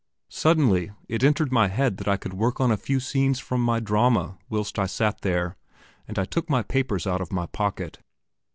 Suddenly it entered my head that I could work at a few scenes of my drama whilst I sat here, and I took my papers out of my pocket.